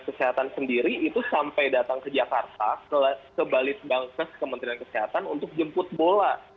kesehatan sendiri itu sampai datang ke jakarta ke balitbangkes kementerian kesehatan untuk jemput bola